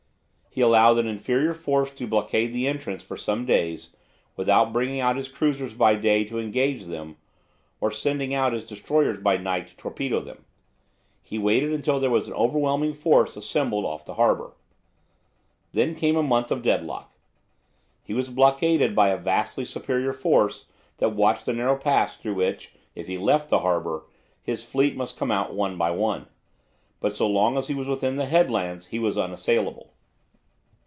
He allowed an inferior force to blockade the entrance for some days, without bringing out his cruisers by day to engage them, or sending out his destroyers by night to torpedo them. He waited until there was an overwhelming force assembled off the harbour. Then came a month of deadlock. He was blockaded by a vastly superior force that watched the narrow pass through which, if he left the harbour, his fleet must come out one by one. But so long as he was within the headlands he was unassailable.